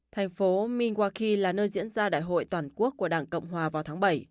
thành phố minwaki là nơi diễn ra đại hội toàn quốc của đảng cộng hòa vào tháng bảy